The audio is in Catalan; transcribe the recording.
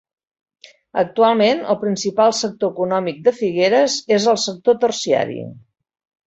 Actualment, el principal sector econòmic de Figueres és el sector terciari.